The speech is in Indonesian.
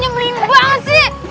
nyebelin banget sih